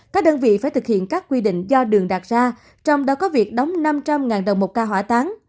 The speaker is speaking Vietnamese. các đơn vị phải thực hiện các quy định do đường đạt ra trong đó có việc đóng năm trăm linh đồng một ca hỏa táng